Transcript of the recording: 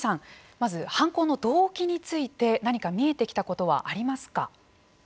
まず犯行の動機について何か見えてきたことはありますか。